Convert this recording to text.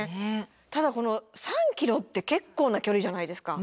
ただこの３キロって結構な距離じゃないですか。